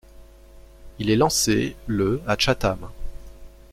Il est lancé le à Chatham.